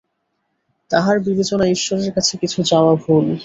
তাহার বিবেচনায় ঈশ্বরের কাছে কিছু চাওয়া ভুল।